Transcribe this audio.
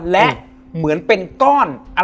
แล้วสักครั้งหนึ่งเขารู้สึกอึดอัดที่หน้าอก